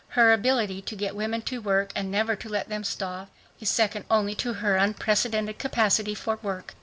Her ability to get women to work and never to let them stop is second only to her own unprecedented capacity for work.